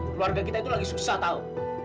keluarga kita itu lagi susah tahu